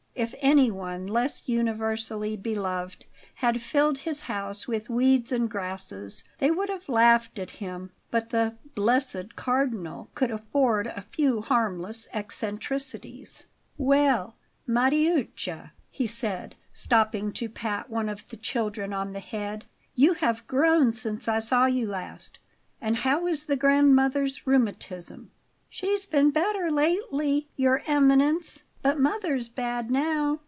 If anyone less universally beloved had filled his house with weeds and grasses they would have laughed at him; but the "blessed Cardinal" could afford a few harmless eccentricities. "Well, Mariuccia," he said, stopping to pat one of the children on the head; "you have grown since I saw you last. And how is the grandmother's rheumatism?" "She's been better lately, Your Eminence; but mother's bad now."